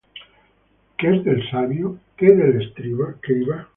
¿Qué es del sabio? ¿qué del escriba?